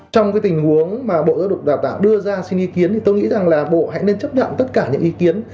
trong cái tình huống mà bộ giáo dục đào tạo đưa ra xin ý kiến thì tôi nghĩ rằng là bộ hãy nên chấp nhận tất cả những ý kiến